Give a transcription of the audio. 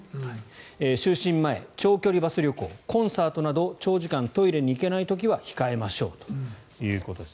就寝前、長距離バス旅行コンサートなど長時間トイレに行けない時は控えましょうということです。